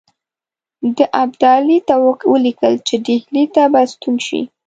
ده ابدالي ته ولیکل چې ډهلي ته به ستون شي.